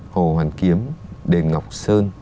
hồ hoàn kiếm đền ngọc sơn